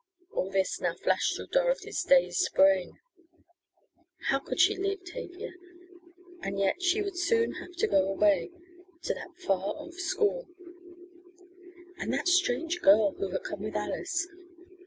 All this now flashed through Dorothy's dazed brain. How could she leave Tavia? And yet she would so soon have to go away to that far off school And that strange girl who had come with Alice.